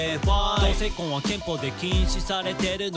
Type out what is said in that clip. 「同性婚は憲法で禁止されてるの？